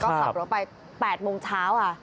ก็ขับรถไป๘โมงเช้าค่ะ